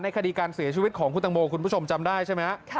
คดีการเสียชีวิตของคุณตังโมคุณผู้ชมจำได้ใช่ไหม